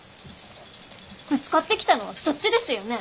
ぶつかってきたのはそっちですよね？